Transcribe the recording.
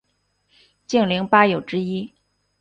竟陵八友之一。